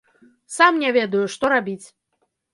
Сам не ведаю, што рабіць.